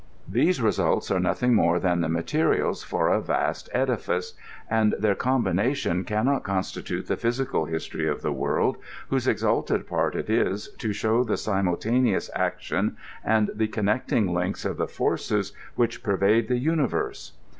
These results are noth ing more than the materials for a vast edifice, and their com bination can not constitute the physical history of the world, whose exalted part it is to show the simultaneous action and the connecting links of the forces which pervade the imiverse.